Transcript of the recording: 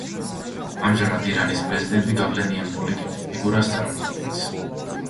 ამჟამად ირანის პრეზიდენტი გავლენიან პოლიტიკურ ფიგურას წარმოადგენს.